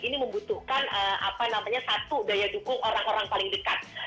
ini membutuhkan satu daya dukung orang orang paling dekat